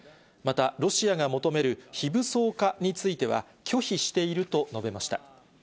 また、ロシアが求める非武装化については、拒否していると述べました。